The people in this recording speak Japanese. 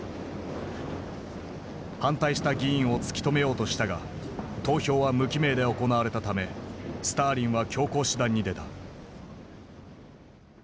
反対した議員を突き止めようとしたが投票は無記名で行われたためスターリンは強硬手段に出た。